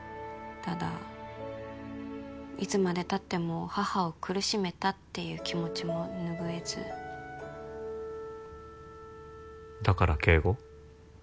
ただいつまでたっても母を苦しめたっていう気持ちも拭えずだから敬語？